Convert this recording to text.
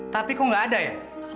tapi kok nggak ada ya